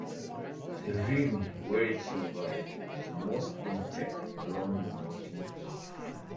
The rim, where it survives, is the most intact along the northern half.